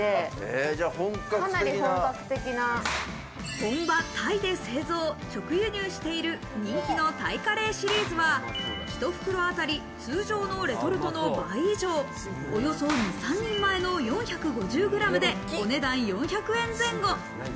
本場タイで製造、直輸入している人気のタイカレーシリーズは一袋あたり通常のレトルトの倍以上、およそ２３人前の４５０ｇで、お値段４００円前後。